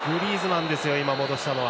グリーズマンですよ戻したのは。